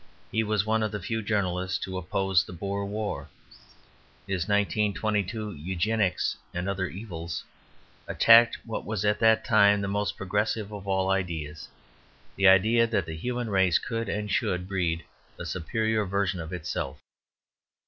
He was one of the few journalists to oppose the Boer War. His 1922 "Eugenics and Other Evils" attacked what was at that time the most progressive of all ideas, the idea that the human race could and should breed a superior version of itself.